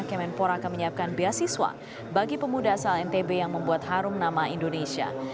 kemenpora akan menyiapkan beasiswa bagi pemuda asal ntb yang membuat harum nama indonesia